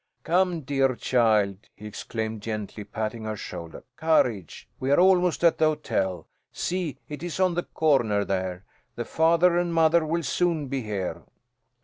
"Come, dear child!" he exclaimed, gently, patting her shoulder. "Courage! We are almost at the hotel. See, it is on the corner, there. The father and mother will soon be here."